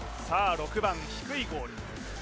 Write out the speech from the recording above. ６番低いゴール